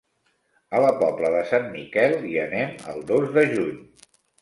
A la Pobla de Sant Miquel hi anem el dos de juny.